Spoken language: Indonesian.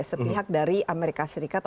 sepihak dari amerika serikat